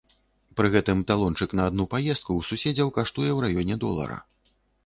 Пры гэтым талончык на адну паездку ў суседзяў каштуе ў раёне долара.